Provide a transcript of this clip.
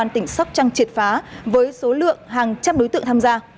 trăng triệt phá với số lượng hàng trăm đối tượng tham gia